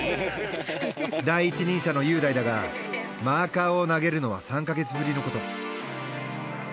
第一人者の雄大だがマーカーを投げるのは３か月ぶりのこと。